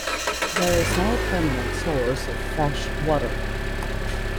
There is no permanent source of freshwater.